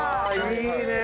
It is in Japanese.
いいね！